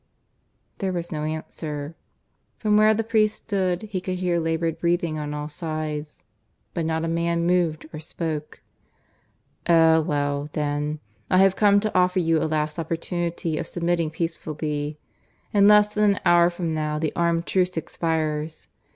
There was no answer. From where the priest stood he could hear laboured breathing on all sides, but not a man moved or spoke. "Eh well then, I have come to offer you a last opportunity of submitting peacefully. In less than an hour from now the armed truce expires.